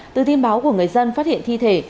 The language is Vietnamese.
liên báo của người dân phát hiện thi thể